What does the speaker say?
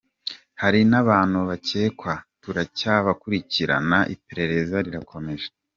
Hari n’abantu bakekwa, turacyabakurikirana, iperereza rirakomeje.